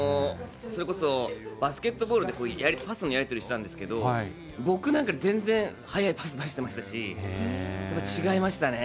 それこそバスケットボールでパスのやり取りしたんですけど、僕なんかより全然速いパス出してましたし、やっぱり違いましたね。